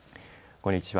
こんにちは。